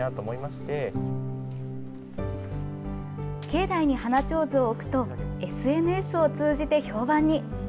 境内に花ちょうずを置くと、ＳＮＳを通じて評判に。